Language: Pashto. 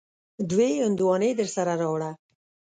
دوې هندواڼی درسره راوړه.